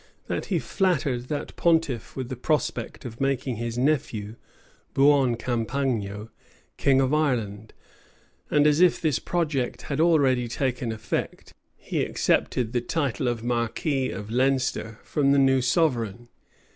that he flattered that pontiff with the prospect of making his nephew, Buon Compagno, king of Ireland; and, as if this project had already taken effect, he accepted the title of marquis of Leinster from the new sovereign.